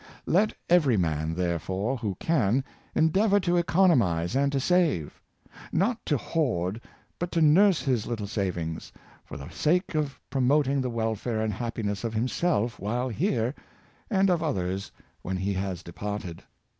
Let every man, therefore, who can, endeavor to economize and to save; not to hoard, but to nurse his little savings, for the sake of promoting the welfare A Dignity in Saving, 419 and happiness of himself while here, and of others when he has departed.